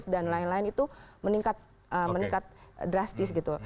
dan lain lain itu meningkat drastis gitu